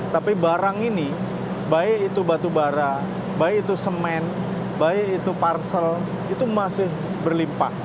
tapi barang ini baik itu batu bara baik itu semen baik itu parcel itu masih berlimpah